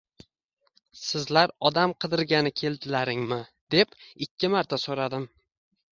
Sizlar odam qidirgani keldilaringmi, deb ikki marta so‘radim